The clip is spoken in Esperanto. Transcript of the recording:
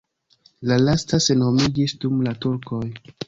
La lasta senhomiĝis dum la turkoj.